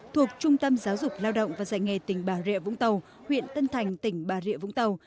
thuộc trung tâm giáo dục lao động và dạy nghề tỉnh bà rịa vũng tàu huyện tân thành tỉnh bà rịa vũng tàu